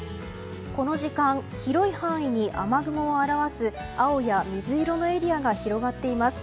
この時間、広い範囲に雨雲を表す青や水色のエリアが広がっています。